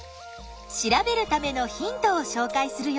調べるためのヒントをしょうかいするよ。